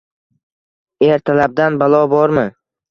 ertalabdan balo bormi?